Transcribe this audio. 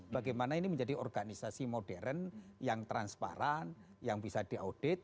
bagaimana ini menjadi organisasi modern yang transparan yang bisa diaudit